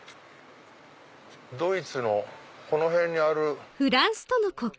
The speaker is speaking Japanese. ドイツのこの辺にある所で。